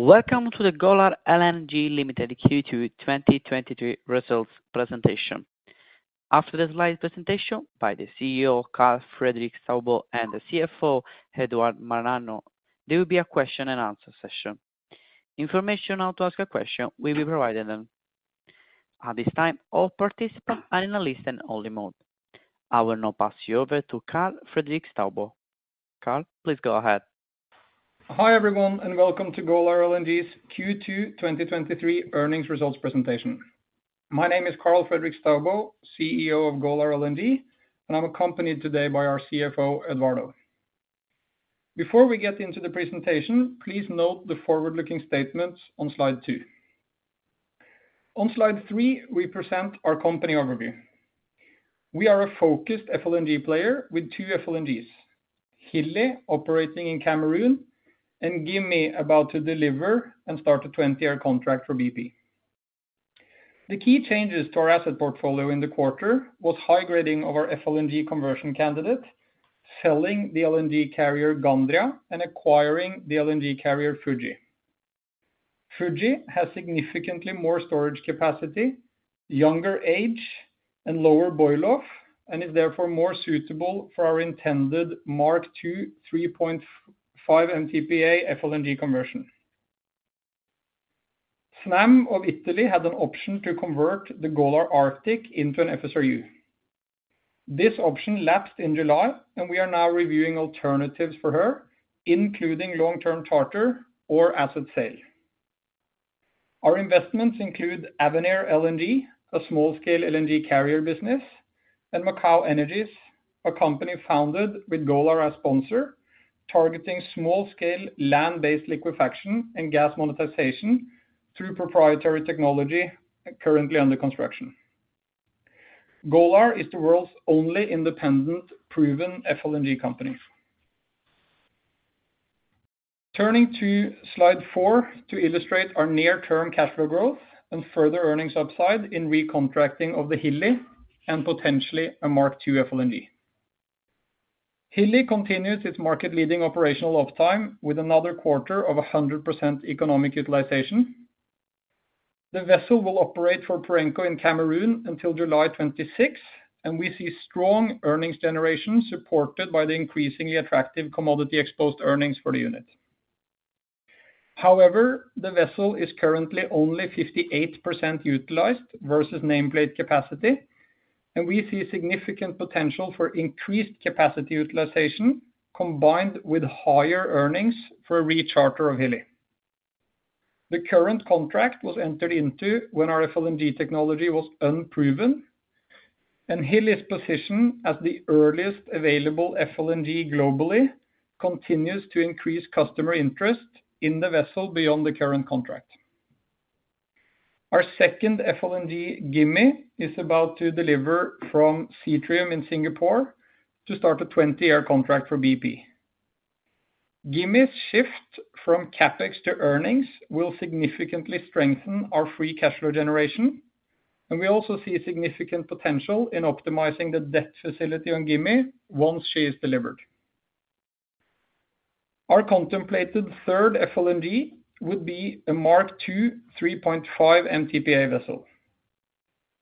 Welcome to the Golar LNG Limited Q2 2023 results presentation. After the slide presentation by the CEO, Karl Fredrik Staubo, and the CFO, Eduardo Maranhão, there will be a question and answer session. Information on how to ask a question will be provided then. At this time, all participants are in a listen-only mode. I will now pass you over to Karl Fredrik Staubo. Karl, please go ahead. Hi, everyone, welcome to Golar LNG's Q2 2023 earnings results presentation. My name is Karl Fredrik Staubo, CEO of Golar LNG, and I'm accompanied today by our CFO, Eduardo. Before we get into the presentation, please note the forward-looking statements on slide 2. On slide 3, we present our company overview. We are a focused FLNG player with two FLNGs, Hilli operating in Cameroon and Gimi, about to deliver and start a 20-year contract for BP. The key changes to our asset portfolio in the quarter was high grading of our FLNG conversion candidate, selling the LNG Carrier Gandria, and acquiring the LNG Carrier Fuji. Fuji has significantly more storage capacity, younger age, and lower boil off, and is therefore more suitable for our intended Mark II, 3.5 MTPA FLNG conversion. Snam of Italy had an option to convert the Golar Arctic into an FSRU. This option lapsed in July, and we are now reviewing alternatives for her, including long-term charter or asset sale. Our investments include Avenir LNG, a small-scale LNG Carrier business, and Macaw Energies, a company founded with Golar as sponsor, targeting small-scale land-based liquefaction and gas monetization through proprietary technology currently under construction. Golar is the world's only independent, proven FLNG company. Turning to slide 4 to illustrate our near-term cash flow growth and further earnings upside in recontracting of the Hilli and potentially a Mark II FLNG. Hilli continues its market-leading operational uptime with another quarter of 100% economic utilization. The vessel will operate for Perenco in Cameroon until July 2026, and we see strong earnings generation supported by the increasingly attractive commodity-exposed earnings for the unit. However, the vessel is currently only 58% utilized versus nameplate capacity. We see significant potential for increased capacity utilization, combined with higher earnings for a recharter of Hilli. The current contract was entered into when our FLNG technology was unproven, and Hilli's position as the earliest available FLNG globally continues to increase customer interest in the vessel beyond the current contract. Our second FLNG, Gimi, is about to deliver from Seatrium in Singapore to start a 20-year contract for BP. Gimi's shift from CapEx to earnings will significantly strengthen our free cash flow generation, and we also see significant potential in optimizing the debt facility on Gimi once she is delivered. Our contemplated third FLNG would be a Mark II, 3.5 MTPA vessel.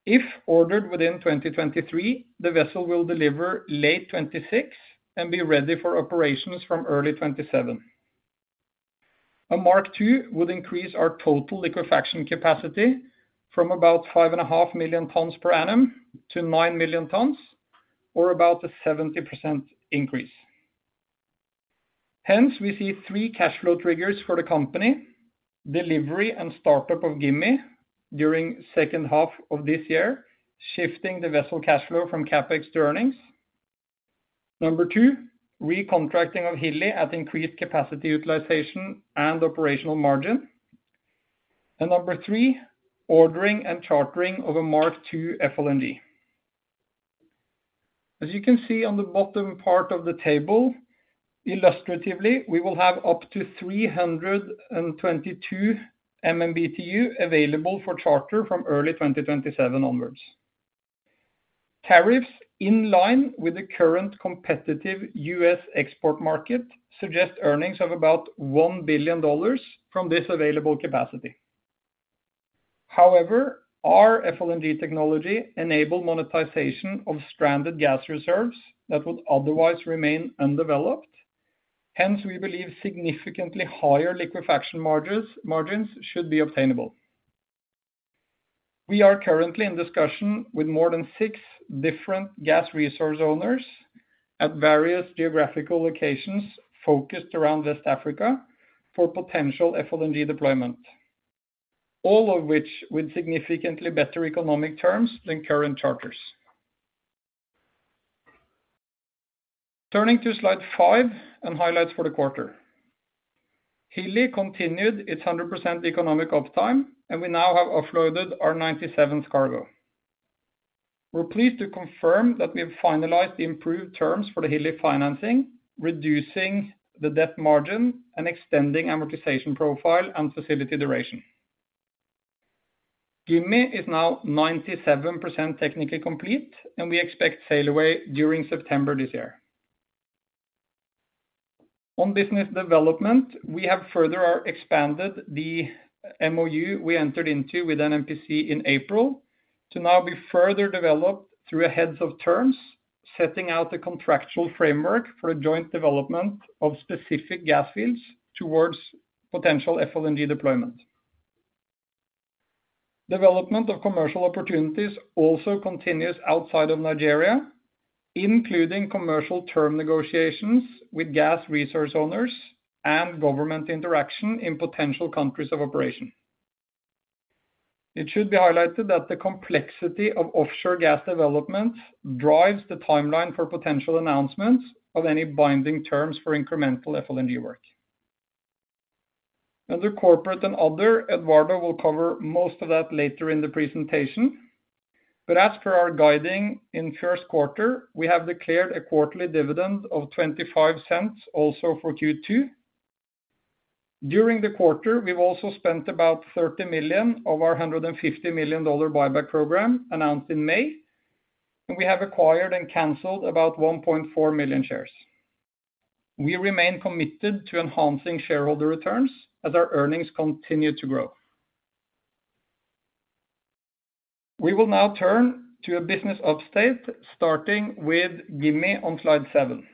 If ordered within 2023, the vessel will deliver late 2026 and be ready for operations from early 2027. A Mark II would increase our total liquefaction capacity from about 5.5 million tons per annum to 9 million tons, or about a 70% increase. Hence, we see three cash flow triggers for the company: delivery and startup of Gimi during H2 of this year, shifting the vessel cash flow from CapEx to earnings. Number two, recontracting of Hilli at increased capacity utilization and operational margin. Number three, ordering and chartering of a Mark II FLNG. As you can see on the bottom part of the table, illustratively, we will have up to 322 MMBTU available for charter from early 2027 onwards. Tariffs in line with the current competitive U.S. export market suggest earnings of about $1 billion from this available capacity. However, our FLNG technology enable monetization of stranded gas reserves that would otherwise remain undeveloped. Hence, we believe significantly higher liquefaction margins, margins should be obtainable. We are currently in discussion with more than six different gas resource owners at various geographical locations focused around West Africa for potential FLNG deployment, all of which with significantly better economic terms than current charters. Turning to slide 5 and highlights for the quarter. Hilli continued its 100% economic uptime, and we now have offloaded our 97th cargo. We're pleased to confirm that we have finalized the improved terms for the Hilli financing, reducing the debt margin and extending amortization profile and facility duration. Gimi is now 97% technically complete, and we expect sail away during September this year. On business development, we have further expanded the MOU we entered into with NNPC in April, to now be further developed through a heads of terms, setting out the contractual framework for a joint development of specific gas fields towards potential FLNG deployment. Development of commercial opportunities also continues outside of Nigeria, including commercial term negotiations with gas resource owners and government interaction in potential countries of operation. It should be highlighted that the complexity of offshore gas development drives the timeline for potential announcements of any binding terms for incremental FLNG work. Under corporate and other, Eduardo will cover most of that later in the presentation, but as per our guiding in Q1, we have declared a quarterly dividend of $0.25 also for Q2. During the quarter, we've also spent about $30 million of our $150 million buyback program announced in May, and we have acquired and canceled about 1.4 million shares. We remain committed to enhancing shareholder returns as our earnings continue to grow. We will now turn to a business update, starting with Gimi on slide 7.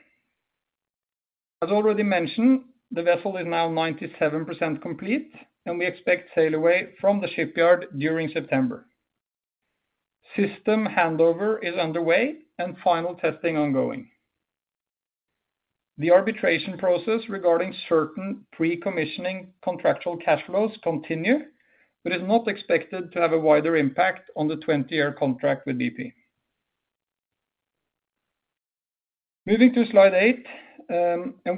As already mentioned, the vessel is now 97% complete, and we expect sail away from the shipyard during September. System handover is underway and final testing ongoing. The arbitration process regarding certain pre-commissioning contractual cash flows continue, but is not expected to have a wider impact on the 20-year contract with BP. Moving to slide 8,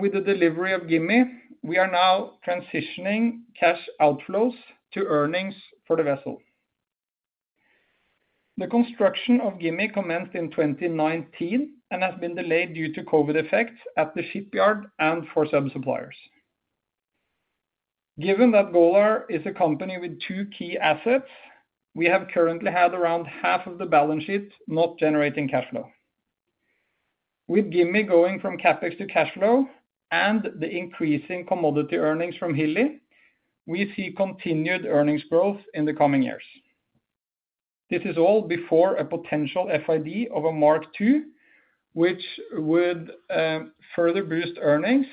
with the delivery of Gimi, we are now transitioning cash outflows to earnings for the vessel. The construction of Gimi commenced in 2019 and has been delayed due to COVID effects at the shipyard and for sub-suppliers. Given that Golar is a company with two key assets, we have currently had around half of the balance sheet, not generating cash flow. With Gimi going from CapEx to cash flow and the increasing commodity earnings from Hilli, we see continued earnings growth in the coming years. This is all before a potential FID of a Mark II, which would further boost earnings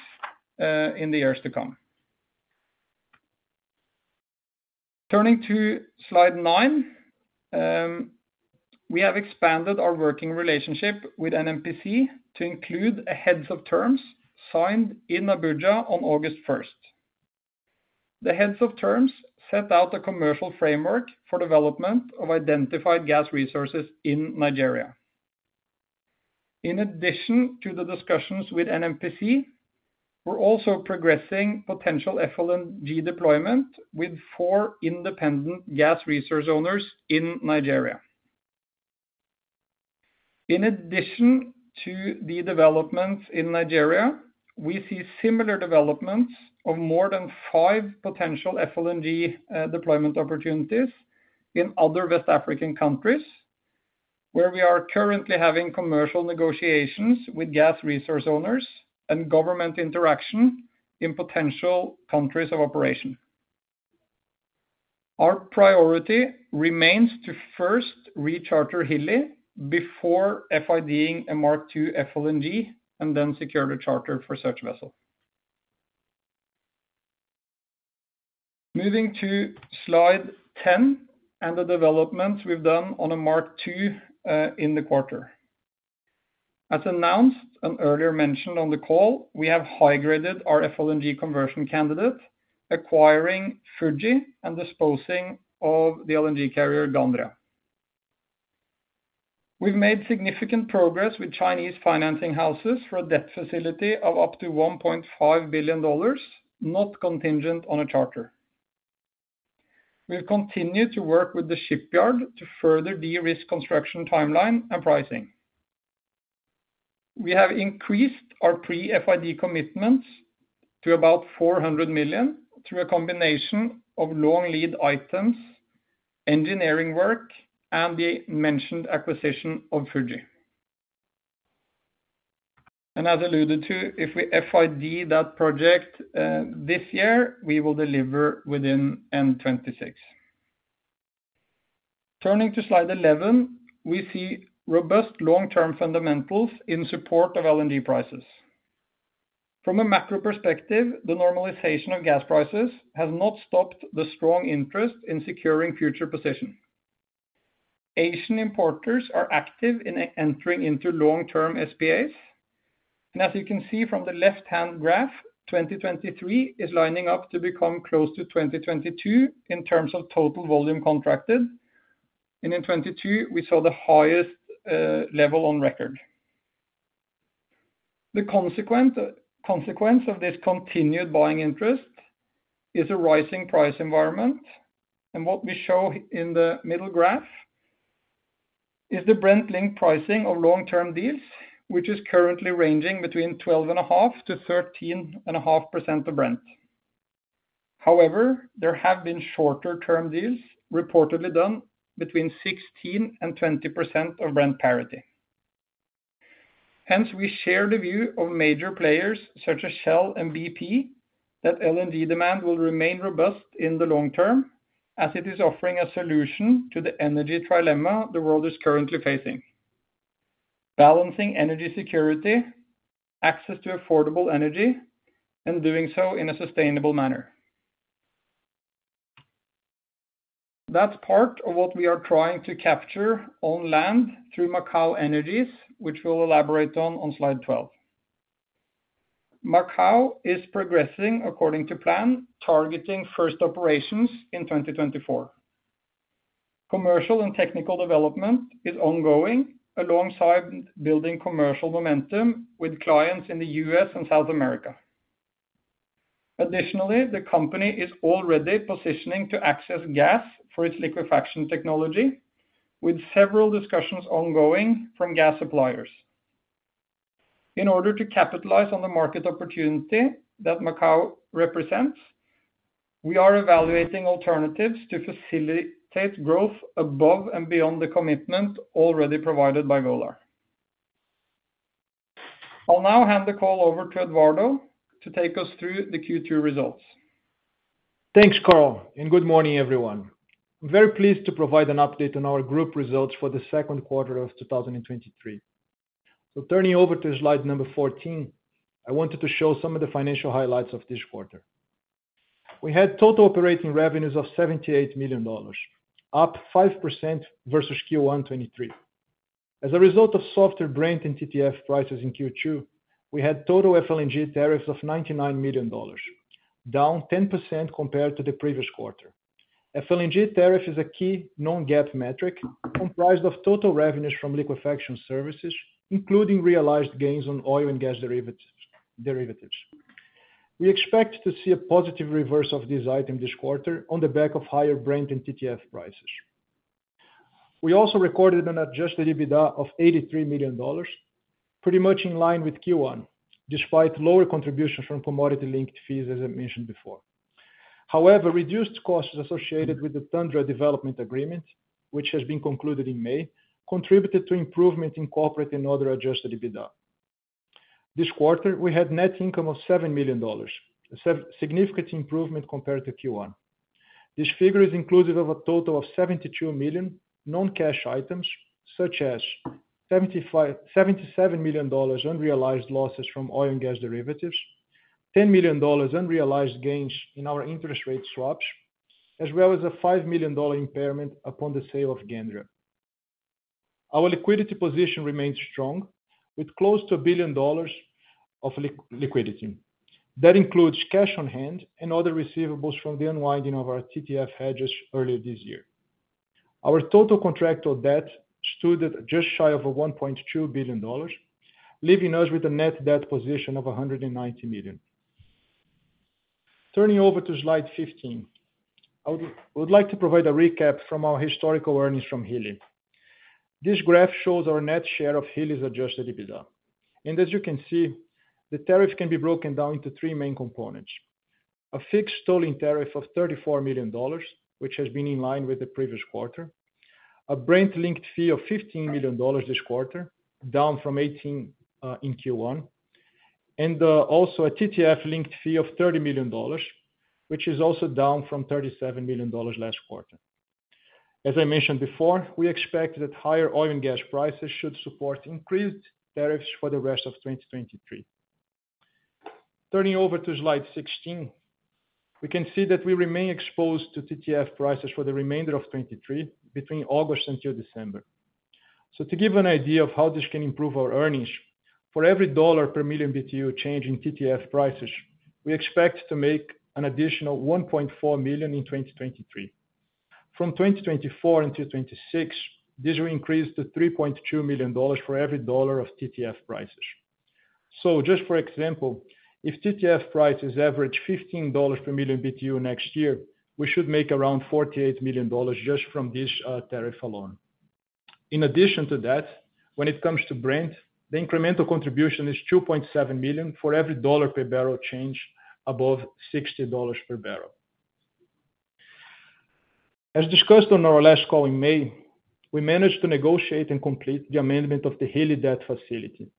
in the years to come. Turning to slide 9, we have expanded our working relationship with NNPC to include a heads of terms signed in Abuja on August 1st. The heads of terms set out a commercial framework for development of identified gas resources in Nigeria. In addition to the discussions with NNPC, we're also progressing potential FLNG deployment with four independent gas resource owners in Nigeria. In addition to the developments in Nigeria, we see similar developments of more than five potential FLNG deployment opportunities in other West African countries, where we are currently having commercial negotiations with gas resource owners and government interaction in potential countries of operation. Our priority remains to first recharter Hilli before FIDing a Mark II FLNG and then secure the charter for such vessel. Moving to slide 10 and the developments we've done on a Mark II in the quarter. As announced and earlier mentioned on the call, we have high-graded our FLNG conversion candidate, acquiring Fuji and disposing of the LNG Carrier, Gandria. We've made significant progress with Chinese financing houses for a debt facility of up to $1.5 billion, not contingent on a charter. We've continued to work with the shipyard to further de-risk construction timeline and pricing. We have increased our pre-FID commitments to about $400 million through a combination of long lead items, engineering work, and the mentioned acquisition of Fuji. As alluded to, if we FID that project this year, we will deliver within end 2026. Turning to slide 11, we see robust long-term fundamentals in support of LNG prices. From a macro perspective, the normalization of gas prices has not stopped the strong interest in securing future position. Asian importers are active in entering into long-term SPAs, as you can see from the left-hand graph, 2023 is lining up to become close to 2022 in terms of total volume contracted. In 2022, we saw the highest level on record. The consequence of this continued buying interest is a rising price environment, and what we show in the middle graph is the Brent-linked pricing of long-term deals, which is currently ranging between 12.5%-13.5% of Brent. However, there have been shorter-term deals reportedly done between 16% and 20% of Brent parity. Hence, we share the view of major players such as Shell and BP, that LNG demand will remain robust in the long term, as it is offering a solution to the energy trilemma the world is currently facing. Balancing energy security, access to affordable energy, and doing so in a sustainable manner. That's part of what we are trying to capture on land through Macaw Energies, which we'll elaborate on, on slide 12. Macaw is progressing according to plan, targeting first operations in 2024. Commercial and technical development is ongoing, alongside building commercial momentum with clients in the U.S. and South America. Additionally, the company is already positioning to access gas for its liquefaction technology, with several discussions ongoing from gas suppliers. In order to capitalize on the market opportunity that Macaw represents, we are evaluating alternatives to facilitate growth above and beyond the commitment already provided by Golar. I'll now hand the call over to Eduardo to take us through the Q2 results. Thanks, Karl, good morning, everyone. I'm very pleased to provide an update on our group results for the Q2 of 2023. Turning over to slide number 14, I wanted to show some of the financial highlights of this quarter. We had total operating revenues of $78 million, up 5% versus Q1 2023. As a result of softer Brent and TTF prices in Q2, we had total FLNG tariffs of $99 million, down 10% compared to the previous quarter. FLNG tariff is a key non-GAAP metric, comprised of total revenues from liquefaction services, including realized gains on oil and gas derivatives. We expect to see a positive reverse of this item this quarter on the back of higher Brent and TTF prices. We also recorded an adjusted EBITDA of $83 million, pretty much in line with Q1, despite lower contributions from commodity-linked fees, as I mentioned before. Reduced costs associated with the Tundra development agreement, which has been concluded in May, contributed to improvement in corporate and other adjusted EBITDA. This quarter, we had net income of $7 million, a significant improvement compared to Q1. This figure is inclusive of a total of $72 million non-cash items, such as $77 million unrealized losses from oil and gas derivatives, $10 million unrealized gains in our interest rate swaps, as well as a $5 million impairment upon the sale of Gandria. Our liquidity position remains strong, with close to $1 billion of liquidity. That includes cash on hand and other receivables from the unwinding of our TTF hedges earlier this year. Our total contractual debt stood at just shy of $1.2 billion, leaving us with a net debt position of $190 million. Turning over to slide 15, I would like to provide a recap from our historical earnings from Hilli. This graph shows our net share of Hilli's adjusted EBITDA, and as you can see, the tariff can be broken down into three main components: A fixed tolling tariff of $34 million, which has been in line with the previous quarter, a Brent-linked fee of $15 million this quarter, down from 18 in Q1, and also a TTF-linked fee of $30 million, which is also down from $37 million last quarter. As I mentioned before, we expect that higher oil and gas prices should support increased tariffs for the rest of 2023. Turning over to slide 16, we can see that we remain exposed to TTF prices for the remainder of 2023, between August until December. To give you an idea of how this can improve our earnings, for every $ per million BTU change in TTF prices, we expect to make an additional $1.4 million in 2023. From 2024 until 2026, this will increase to $3.2 million for every $ of TTF prices. Just for example, if TTF prices average $15 per million BTU next year, we should make around $48 million just from this tariff alone. In addition to that, when it comes to Brent, the incremental contribution is $2.7 million for every $ per barrel change above $60 per barrel. As discussed on our last call in May, we managed to negotiate and complete the amendment of the Hilli debt facility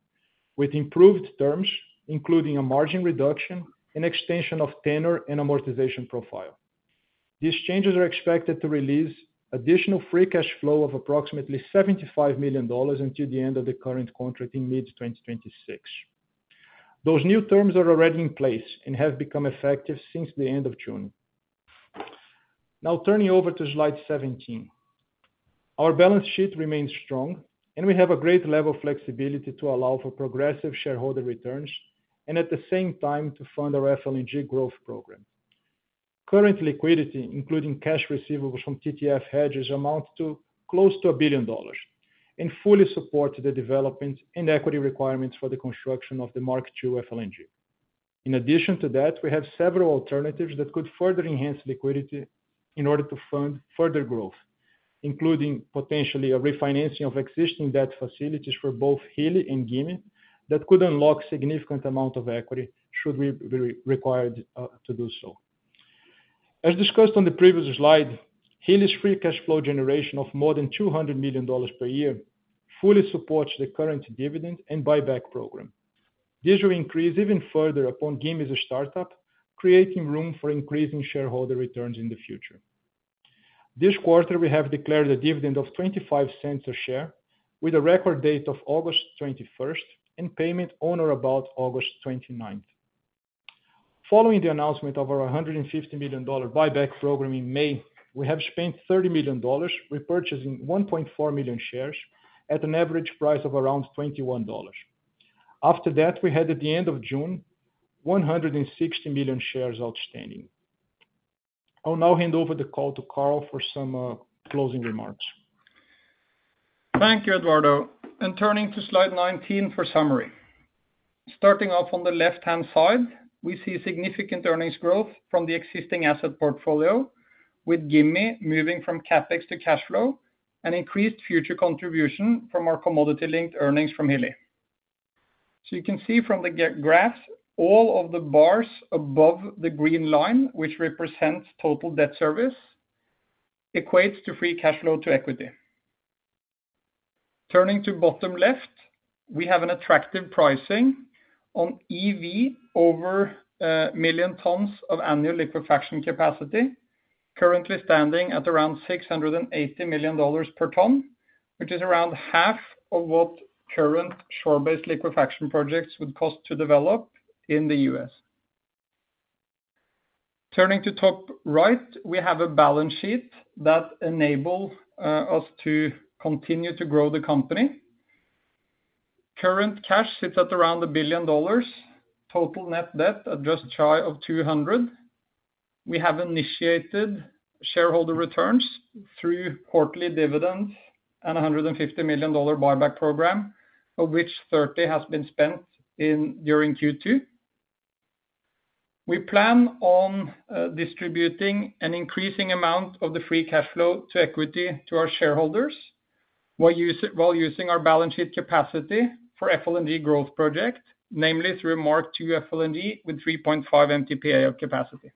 with improved terms, including a margin reduction and extension of tenor and amortization profile. These changes are expected to release additional free cash flow of approximately $75 million until the end of the current contract in mid-2026. Those new terms are already in place and have become effective since the end of June. Now, turning over to slide 17. Our balance sheet remains strong, and we have a great level of flexibility to allow for progressive shareholder returns, and at the same time, to fund our FLNG growth program. Current liquidity, including cash receivables from TTF hedges, amount to close to $1 billion, and fully support the development and equity requirements for the construction of the Mark II FLNG. In addition to that, we have several alternatives that could further enhance liquidity in order to fund further growth, including potentially a refinancing of existing debt facilities for both Hilli and Gimi, that could unlock significant amount of equity should we be required to do so. As discussed on the previous slide, Hilli's free cash flow generation of more than $200 million per year, fully supports the current dividend and buyback program. These will increase even further upon Gimi's startup, creating room for increasing shareholder returns in the future. This quarter, we have declared a dividend of $0.25 a share, with a record date of August 21st, and payment on or about August 29th. Following the announcement of our $150 million buyback program in May, we have spent $30 million repurchasing 1.4 million shares at an average price of around $21. After that, we had at the end of June, 160 million shares outstanding. I'll now hand over the call to Karl for some closing remarks. Thank you, Eduardo. Turning to slide 19 for summary. Starting off on the left-hand side, we see significant earnings growth from the existing asset portfolio, with Gimi moving from CapEx to cash flow, and increased future contribution from our commodity-linked earnings from Hilli. You can see from the graph, all of the bars above the green line, which represents total debt service, equates to free cash flow to equity. Turning to bottom left, we have an attractive pricing on EV over million tons of annual liquefaction capacity, currently standing at around $680 million per ton, which is around half of what current shore-based liquefaction projects would cost to develop in the U.S. Turning to top right, we have a balance sheet that enable us to continue to grow the company. Current cash sits at around $1 billion, total net debt at just shy of $200. We have initiated shareholder returns through quarterly dividends and a $150 million buyback program, of which $30 million has been spent during Q2. We plan on distributing an increasing amount of the free cash flow to equity to our shareholders, while using our balance sheet capacity for FLNG growth project, namely through Mark II FLNG, with 3.5 MTPA of capacity.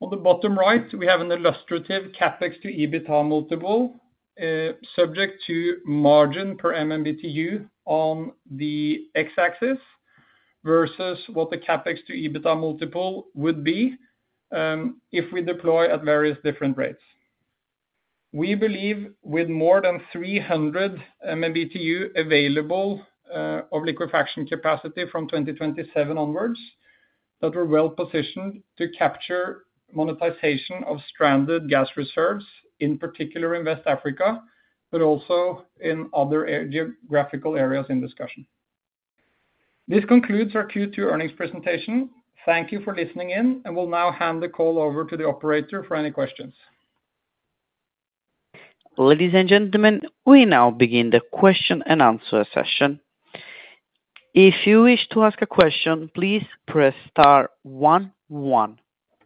On the bottom right, we have an illustrative CapEx to EBITDA multiple, subject to margin per MMBtu on the x-axis, versus what the CapEx to EBITDA multiple would be if we deploy at various different rates. We believe with more than 300 MMBtu available, of liquefaction capacity from 2027 onwards, that we're well positioned to capture monetization of stranded gas reserves, in particular in West Africa, but also in other geographical areas in discussion. This concludes our Q2 earnings presentation. Thank you for listening in, and we'll now hand the call over to the operator for any questions. Ladies and gentlemen, we now begin the question and answer session. If you wish to ask a question, please press star one, one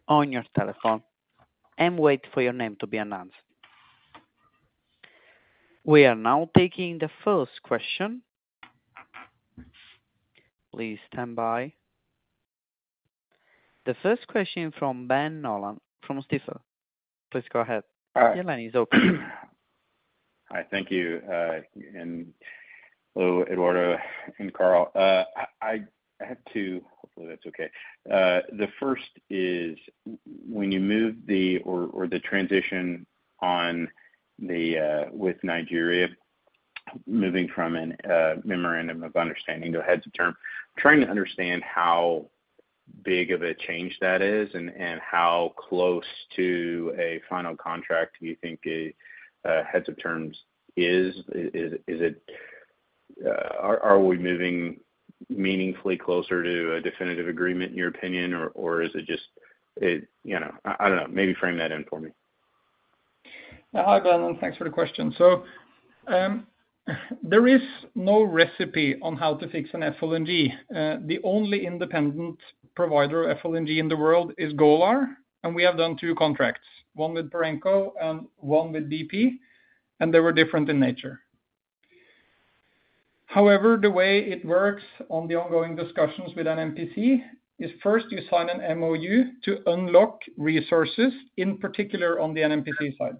on your telephone and wait for your name to be announced. We are now taking the first question. Please stand by. The first question from Ben Nolan from Stifel. Please go ahead. All right. Your line is open. Hi, thank you, and hello, Eduardo and Karl. I, I have two, hopefully that's okay. The first is when you move the transition on the with Nigeria, moving from a memorandum of understanding to a heads of term, trying to understand how big of a change that is and how close to a final contract do you think a heads of terms is? Is it, are we moving meaningfully closer to a definitive agreement in your opinion, or is it just, you know, I, I don't know. Maybe frame that in for me. Hi, Ben, and thanks for the question. There is no recipe on how to fix an FLNG. The only independent provider of FLNG in the world is Golar, and we have done two contracts, one with Perenco and one with BP, and they were different in nature. However, the way it works on the ongoing discussions with an NNPC, is first you sign an MOU to unlock resources, in particular on the NNPC side.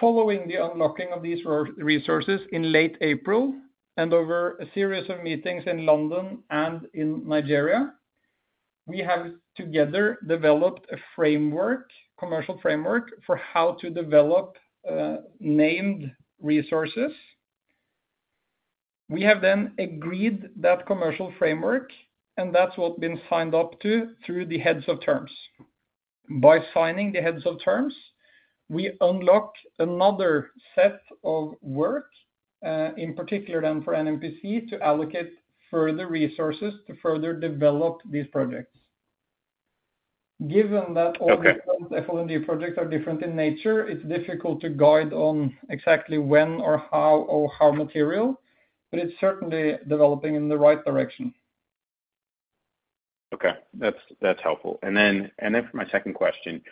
Following the unlocking of these resources in late April and over a series of meetings in London and in Nigeria, we have together developed a framework, commercial framework, for how to develop named resources. We have then agreed that commercial framework, and that's what been signed up to through the heads of terms. By signing the heads of terms, we unlock another set of work, in particular then for NNPC, to allocate further resources to further develop these projects. Given that all the FLNG projects are different in nature, it's difficult to guide on exactly when or how or how material, but it's certainly developing in the right direction. Okay. That's, that's helpful. Then, and then for my second question,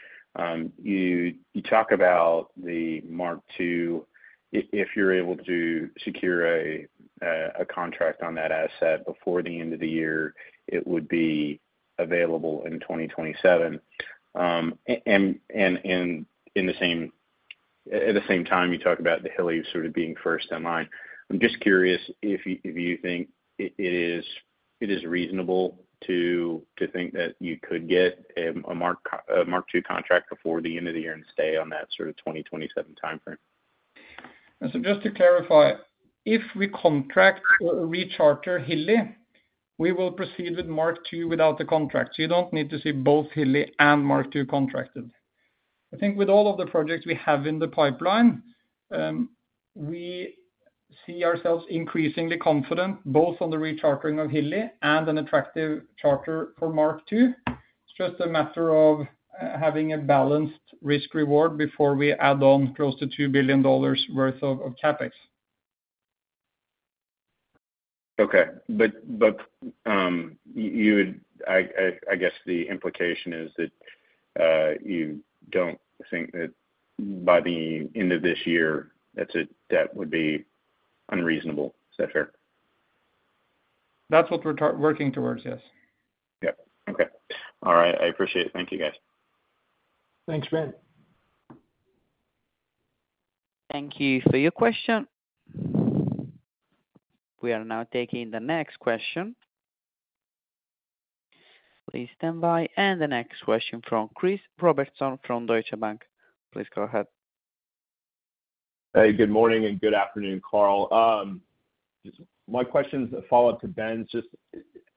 you talk about the Mark II. If you're able to secure a contract on that asset before the end of the year, it would be available in 2027. At the same time, you talk about the Hilli sort of being first in line. I'm just curious if you think it is reasonable to think that you could get a Mark II contract before the end of the year and stay on that sort of 2027 time frame? Just to clarify, if we contract or recharter Hilli, we will proceed with Mark II without the contract. You don't need to see both Hilli and Mark II contracted. I think with all of the projects we have in the pipeline, we see ourselves increasingly confident both on the rechartering of Hilli and an attractive charter for Mark II. It's just a matter of having a balanced risk reward before we add on close to $2 billion worth of CapEx. Okay. But, I guess the implication is that, you don't think that by the end of this year, that's a, that would be unreasonable. Is that fair? That's what we're working towards, yes. Yeah. Okay. All right, I appreciate it. Thank you, guys. Thanks, Ben. Thank you for your question. We are now taking the next question. Please stand by. The next question from Chris Robertson from Deutsche Bank. Please go ahead. Hey, good morning and good afternoon, Karl. My question is a follow-up to Ben's. Just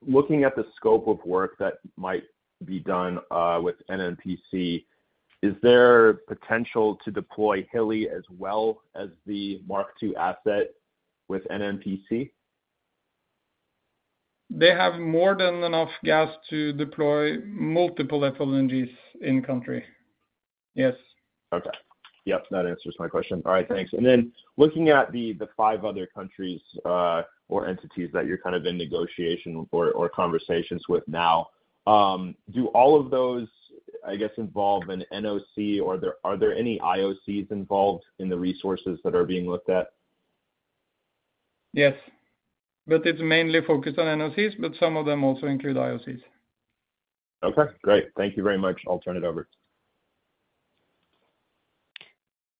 looking at the scope of work that might be done, with NNPC, is there potential to deploy Hilli as well as the Mark II asset with NNPC? They have more than enough gas to deploy multiple FLNGs in country. Yes. Okay. Yep, that answers my question. All right, thanks. Then looking at the, the five other countries, or entities that you're kind of in negotiation or, or conversations with now, do all of those, I guess, involve an NOC, or are there, are there any IOCs involved in the resources that are being looked at? Yes, but it's mainly focused on NOCs, some of them also include IOCs. Okay, great. Thank you very much. I'll turn it over.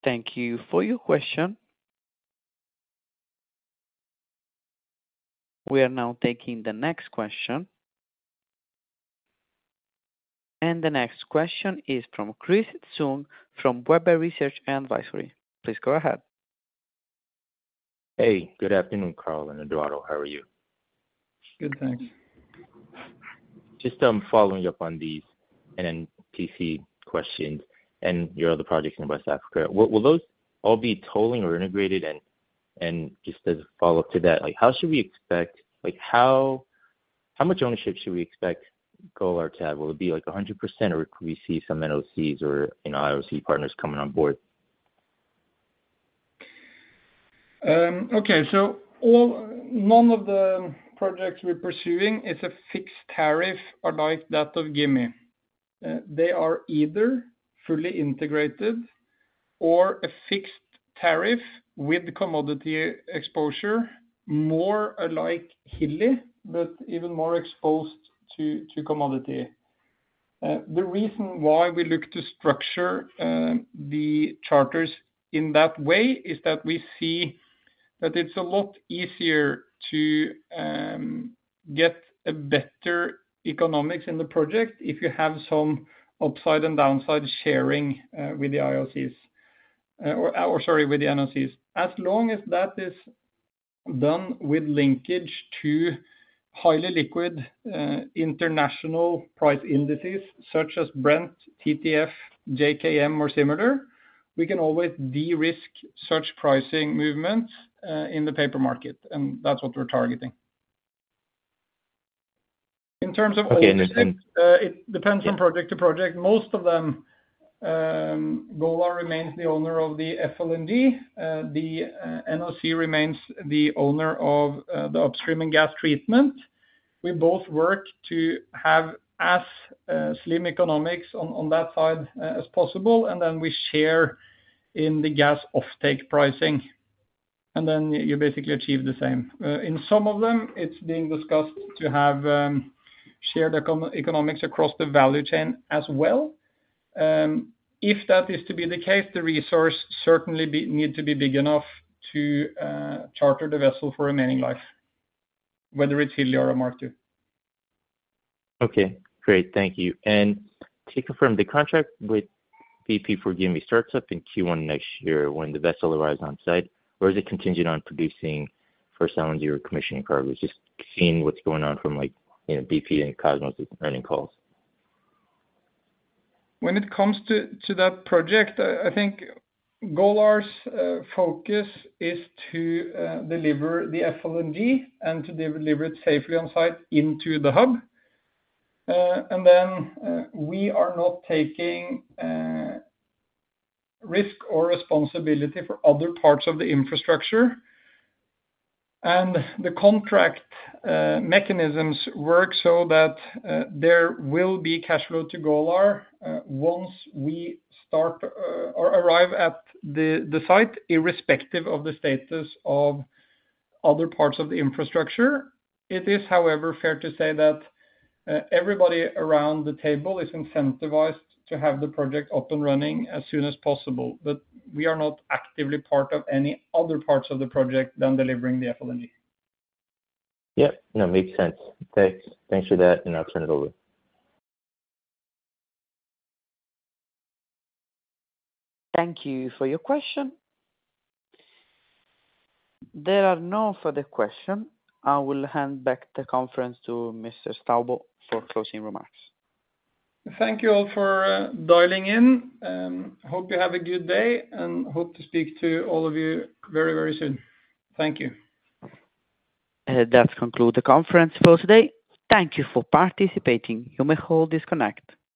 Thank you for your question. We are now taking the next question. The next question is from Chris Tsung from Weber Research & Advisory. Please go ahead. Hey, good afternoon, Karl and Eduardo. How are you? Good, thanks. Just following up on these NNPC questions and your other projects in West Africa. Will those all be tolling or integrated? Just as a follow-up to that, like, how much ownership should we expect Golar to have? Will it be, like, 100%, or could we see some NOCs or, you know, IOC partners coming on board? Okay. All, none of the projects we're pursuing is a fixed tariff alike that of Gimi. They are either fully integrated or a fixed tariff with commodity exposure, more alike Hilli, but even more exposed to, to commodity. The reason why we look to structure the charters in that way is that we see that it's a lot easier to get a better economics in the project if you have some upside and downside sharing with the IOCs, or, or sorry, with the NOCs. As long as that is done with linkage to highly liquid international price indices such as Brent, TTF, JKM, or similar, we can always de-risk such pricing movements in the paper market, and that's what we're targeting. In terms of. Okay, interesting. It depends from project to project. Most of them, Golar remains the owner of the FLNG. The NOC remains the owner of the upstream and gas treatment. We both work to have as slim economics on, on that side as possible, and then we share in the gas offtake pricing, and then you basically achieve the same. In some of them, it's being discussed to have economics across the value chain as well. If that is to be the case, the resource certainly need to be big enough to charter the vessel for remaining life, whether it's Hilli or a Mark II. Okay, great. Thank you. To confirm, the contract with BP for Gimi starts up in Q1 next year when the vessel arrives on site, or is it contingent on producing first time zero commissioning cargo? Just seeing what's going on from, like, you know, BP and Kosmos earnings calls. When it comes to, to that project, I, I think Golar's focus is to deliver the FLNG and to deliver it safely on site into the hub. We are not taking risk or responsibility for other parts of the infrastructure. The contract mechanisms work so that there will be cash flow to Golar once we start or arrive at the site, irrespective of the status of other parts of the infrastructure. It is, however, fair to say that everybody around the table is incentivized to have the project up and running as soon as possible. We are not actively part of any other parts of the project than delivering the FLNG. Yep. No, makes sense. Thanks. Thanks for that. I'll turn it over. Thank you for your question. There are no further question. I will hand back the conference to Mr. Staubo for closing remarks. Thank you all for dialing in. Hope you have a good day, and hope to speak to all of you very, very soon. Thank you. That conclude the conference for today. Thank you for participating. You may all disconnect.